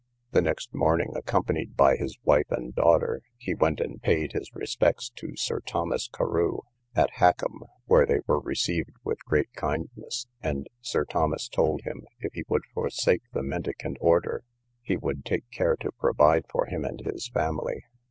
The next morning, accompanied by his wife and daughter, he went and paid his respects to Sir Thomas Carew, at Hackum, where they were received with great kindness; and Sir Thomas told him, if he would forsake the mendicant order, he would take care to provide for him and his family.